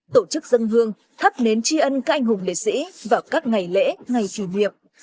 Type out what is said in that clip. tổ chức dân hương thắp nến tri ân các anh hùng lễ sĩ vào các ngày lễ ngày kỷ niệm